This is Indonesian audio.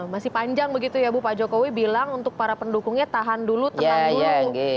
masih panjang begitu ya bu pak jokowi bilang untuk para pendukungnya tahan dulu tenang dulu